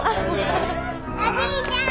おじいちゃん！